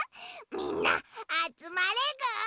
みんなあつまれぐ！